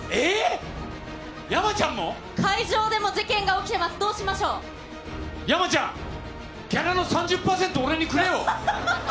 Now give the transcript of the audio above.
会場でも事件が起きてます、山ちゃん、ギャラの３０％、俺にくれよ。